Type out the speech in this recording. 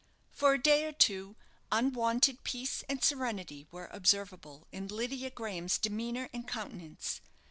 For a day or two unwonted peace and serenity were observable in Lydia Graham's demeanour and countenance.